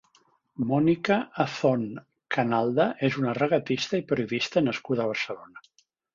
Mónica Azón Canalda és una regatista i periodista nascuda a Barcelona.